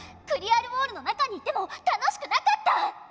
クリアル・ウォールの中にいても楽しくなかった！